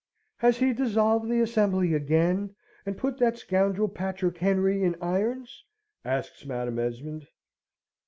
"Has he dissolved the Assembly again, and put that scoundrel Patrick Henry in irons?" asks Madam Esmond.